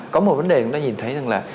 có một vấn đề chúng ta nhìn thấy rằng là